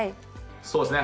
そうですね。